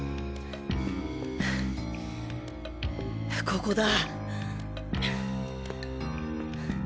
ここだ。